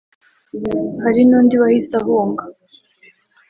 hari n’undi wahise ahunga